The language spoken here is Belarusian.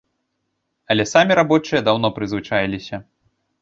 Але самі рабочыя даўно прызвычаіліся.